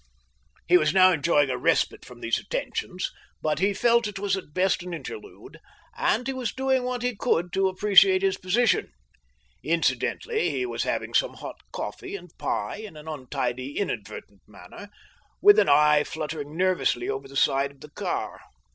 He was now enjoying a respite from these attentions, but he felt it was at best an interlude, and he was doing what he could to appreciate his position. Incidentally he was having some hot coffee and pie in an untidy inadvertent manner, with an eye fluttering nervously over the side of the car.